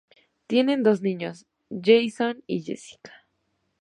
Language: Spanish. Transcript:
Tienen dos niños: Jason y Jessica.